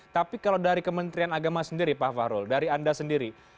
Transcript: tapi kalau dari kementerian agama sendiri pak fahrul dari anda sendiri